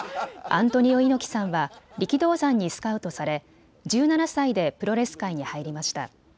アントニオ猪木さんは力道山にスカウトされ１７歳でプロレス界に入りました。